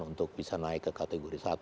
untuk bisa naik ke kategori satu